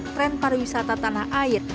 tren pariwisata tanah air